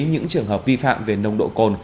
những trường hợp vi phạm về nồng độ cồn